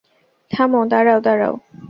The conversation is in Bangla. থামো, দাঁড়াও, দাঁড়াও।